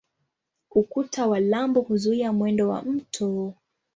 Ukuta wa lambo huzuia mwendo wa mto.